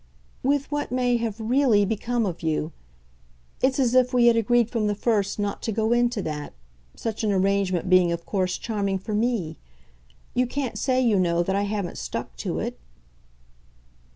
"With what may have REALLY become of you. It's as if we had agreed from the first not to go into that such an arrangement being of course charming for ME. You can't say, you know, that I haven't stuck to it."